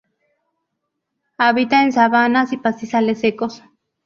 Habita en sabanas y pastizales secos.